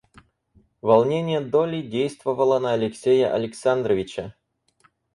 Волнение Долли действовало на Алексея Александровича.